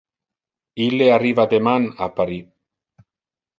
Ille arriva deman a Paris.